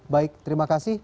baik terima kasih